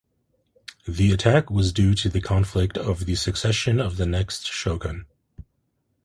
The attack was due to the conflict of the succession of the next Shogun.